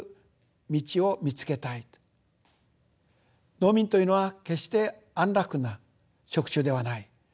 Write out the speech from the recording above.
農民というのは決して安楽な職種ではない。